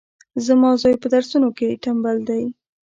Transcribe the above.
زما زوی پهدرسونو کي ټمبل دی